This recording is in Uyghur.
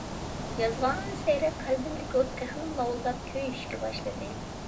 يازغانسېرى قەلبىمدىكى ئوت تېخىمۇ لاۋۇلداپ كۆيۈشكە باشلىدى.